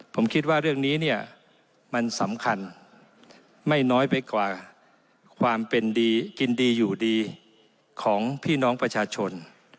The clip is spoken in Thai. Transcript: ผมคิดว่าเรื่องนี้เนี่ยมันสำคัญไม่น้อยไปกว่าความเป็นดีกินดีอยู่ดีของพี่น้องประชาชน